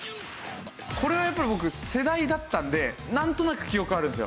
これはやっぱり僕世代だったんでなんとなく記憶あるんですよ。